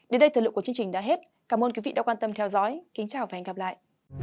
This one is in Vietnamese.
đến đây thời lượng của chương trình đã hết cảm ơn quý vị đã quan tâm theo dõi kính chào và hẹn gặp lại